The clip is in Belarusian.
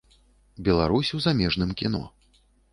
Беларусь у замежным кіно.